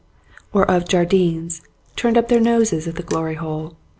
or of Jardine's, turned up their noses at the Glory Hole.